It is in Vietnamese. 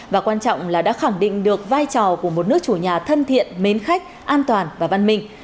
và quan trọng là đã khẳng định được vai trò của một nước chủ nhà thân thiện mến khách an toàn và văn minh